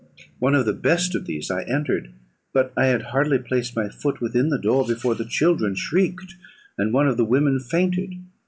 One of the best of these I entered; but I had hardly placed my foot within the door, before the children shrieked, and one of the women fainted.